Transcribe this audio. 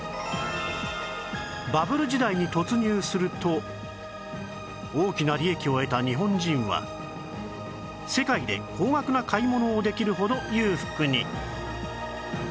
バブル時代に突入すると大きな利益を得た日本人は世界で高額な買い物をできるほど裕福に